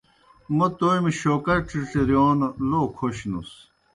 مو تومیْ شوکا ڇِڇرِیون لو کھوشنُس۔